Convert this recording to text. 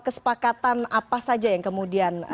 kesepakatan apa saja yang kemudian